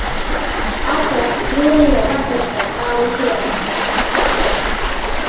Objects, jewelry and weapons were found here.